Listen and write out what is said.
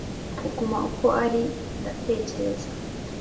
kuguma uko ari Ndatekereza